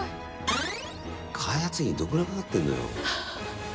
開発費どんくらいかかってんのよ。